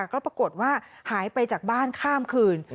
ก็ปรากฏว่าหายไปจากบ้านข้ามคืน